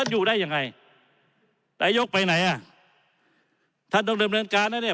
อยู่ได้ยังไงนายกไปไหนอ่ะท่านต้องดำเนินการนะเนี่ย